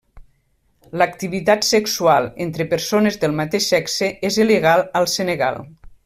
L'activitat sexual entre persones del mateix sexe és il·legal al Senegal.